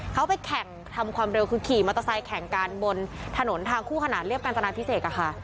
เขาไปแข่งทำความเร็วคือขี่มอเตอร์ไซค์แข่งกันบนถนนทางคู่ขนาดเรียบกาญจนาพิเศษ